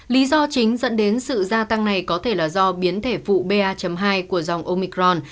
lý do chính dẫn đến sự gia tăng này có thể là do biến thể phụ ba hai của dòng omicron